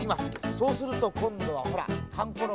そうするとこんどはほらかんころ